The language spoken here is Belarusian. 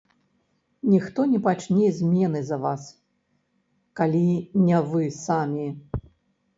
Ніхто не пачне змены за вас, калі не вы самі.